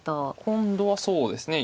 今度はそうですね。